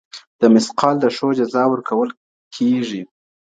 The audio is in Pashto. "د مثقال د ښو جزا ورکول کېږي.